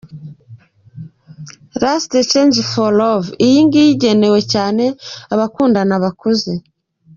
Last chance for love: Iyi ngiyi igenewe cyane abakundana bakuze.